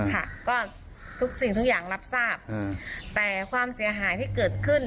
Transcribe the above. ค่ะก็ทุกสิ่งทุกอย่างรับทราบแต่ความเสียหายที่เกิดขึ้น